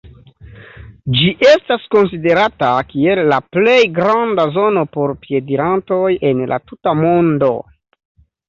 Ĝi estas konsiderata kiel la plej granda zono por piedirantoj en la tuta mondo.